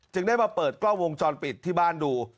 ได้มาเปิดกล้องวงจรปิดที่บ้านดู